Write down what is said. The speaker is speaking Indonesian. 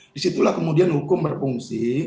disitulah kemudian hukum berfungsi